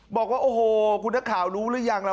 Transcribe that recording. บอกว่าโอ้โหคุณนักข่าวรู้หรือยังล่ะ